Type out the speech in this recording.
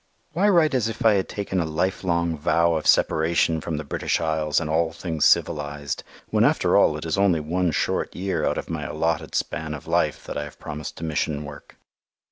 Why write as if I had taken a lifelong vow of separation from the British Isles and all things civilized, when after all it is only one short year out of my allotted span of life that I have promised to Mission work?